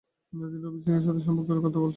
তিনি রণবীর সিং-এর সাথে তার সম্পর্কের কথা জানান।